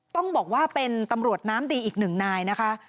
ต้องบอกว่าเป็นตำรวจน้ำดีอีกหนึ่งนายนะคะ